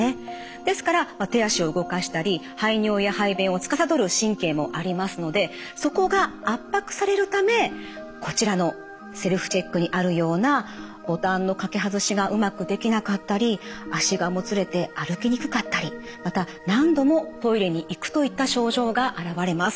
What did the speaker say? ですから手足を動かしたり排尿や排便をつかさどる神経もありますのでそこが圧迫されるためこちらのセルフチェックにあるようなボタンの掛け外しがうまくできなかったり足がもつれて歩きにくかったりまた何度もトイレに行くといった症状が現れます。